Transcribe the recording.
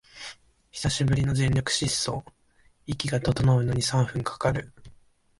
久しぶりの全力疾走、息が整うのに三分かかる